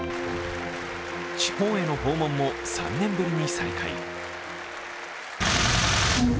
地方への訪問も３年ぶりに再開。